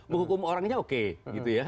menghukum orangnya oke gitu ya